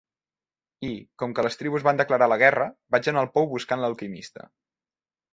I, com que les tribus van declarar la guerra, vaig anar al pou buscant l'alquimista.